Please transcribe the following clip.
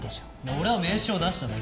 俺は名刺を出しただけだ。